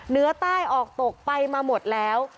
เหนือใต้ออกตกไปมาหมดแล้ว